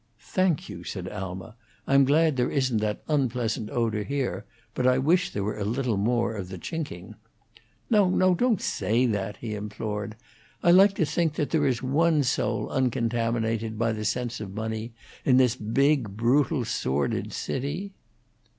"Thank you," said Alma. "I'm glad there isn't that unpleasant odor here; but I wish there was a little more of the chinking." "No, no! Don't say that!" he implored. "I like to think that there is one soul uncontaminated by the sense of money in this big, brutal, sordid city."